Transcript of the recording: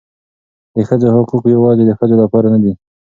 د ښځو حقوق یوازې د ښځو لپاره نه دي.